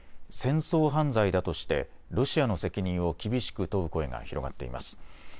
戦争犯罪だとしてロシアの責任を厳しく問う声が広がっています。